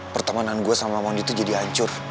pertemanan gue sama mondi itu jadi hancur